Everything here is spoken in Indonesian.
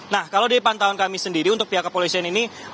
nah kalau dari pantauan kami sendiri untuk pihak kepolisian ini